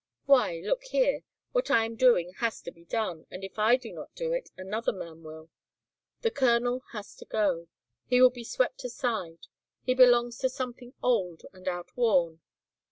Why, look here! What I am doing has to be done and if I do not do it another man will. The colonel has to go. He will be swept aside. He belongs to something old and outworn.